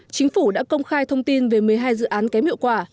chính phủ đã công khai thông tin về một mươi hai dự án kém hiệu quả